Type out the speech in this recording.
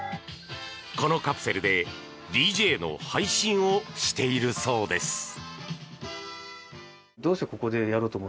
このカプセルでＤＪの配信をしているそうです。